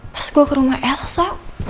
pas gue ke rumah elsa